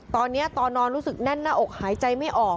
ตอนนี้ตอนนอนรู้สึกแน่นหน้าอกหายใจไม่ออก